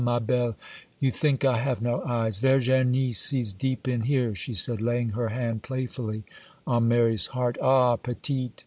ma belle!_ you think I have no eyes;—Virginie sees deep in here!' she said, laying her hand playfully on Mary's heart. '_Ah, petite!